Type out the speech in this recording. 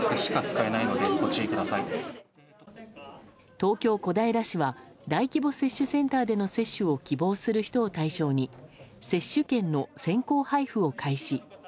東京・小平市は大規模接種センターでの接種を希望する人を対象に接種券の先行配布を開始。